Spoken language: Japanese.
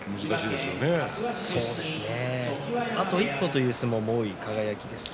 あと一歩という相撲も多い輝です。